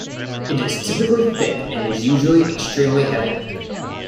It is typically thick and is usually extremely heavy.